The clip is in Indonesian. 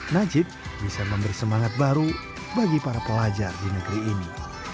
najib bisa memberi semangat baru bagi para pelajar di negeri ini